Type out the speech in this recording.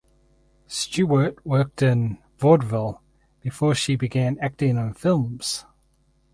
Stewart worked in vaudeville before she began acting in films.